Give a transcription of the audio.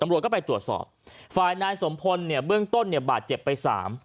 ตำรวจก็ไปตรวจสอบฝ่ายนายสมพลเนี่ยเบื้องต้นเนี่ยบาดเจ็บไปสาม